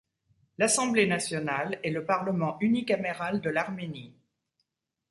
L'Assemblée nationale est le parlement unicaméral de l'Arménie.